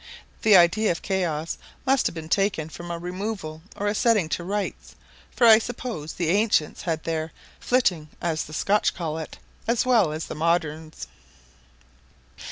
The idea of chaos must have been taken from a removal or a setting to rights, for I suppose the ancients had their flitting, as the Scotch call it, as well as the moderns.